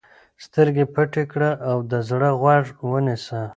سترګې پټې کړه او د زړه غوږ ونیسه.